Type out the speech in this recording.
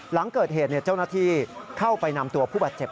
หลังเกิดเหตุเจ้าหน้าที่เข้าไปนำตัวผู้บาดเจ็บ